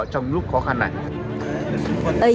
trong lúc khó khăn này